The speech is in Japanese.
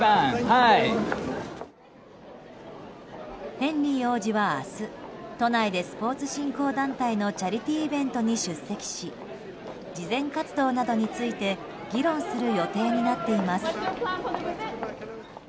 ヘンリー王子は明日都内でスポーツ振興団体のチャリティーイベントに出席し慈善活動などについて議論する予定になっています。